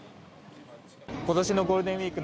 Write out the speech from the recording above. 今年のゴールデンウィーク